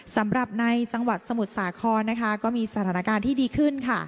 สำหรับในจังหวัดสมุทรสาครนะคะก็มีสถานการณ์ที่ดีขึ้นค่ะ